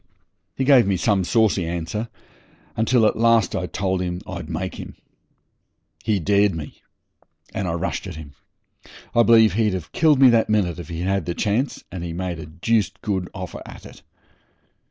He gave me some saucy answer, until at last I told him I'd make him. He dared me, and I rushed at him. I believe he'd have killed me that minute if he'd had the chance, and he made a deuced good offer at it.